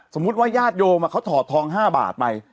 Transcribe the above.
สมมุติว่าญาติโยมเขาถอดทอง๕บาทไป